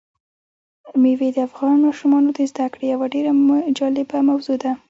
مېوې د افغان ماشومانو د زده کړې یوه ډېره جالبه موضوع ده.